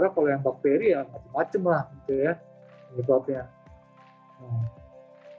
kalau yang bakteri ya macam macam lah